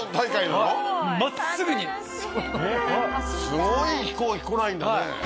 すごい飛行機来ないんだね。